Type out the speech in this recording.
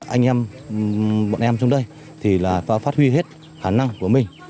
anh em bọn em trong đây thì là phát huy hết khả năng của mình